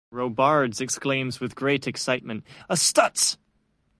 Robards exclaims with great excitement "a Stutz!".